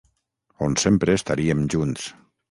On sempre estaríem junts.